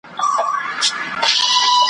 زه د میني زولانه یم زه د شمعي پر وانه یم `